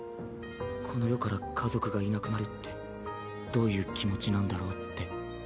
この世から家族がいなくなるってどういう気持ちなんだろうって。